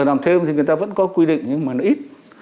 làm thêm thì người ta vẫn có quy định nhưng mà nó ít